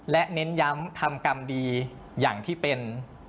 และเน้นย้ำทำกรรมดีอย่างที่เป็น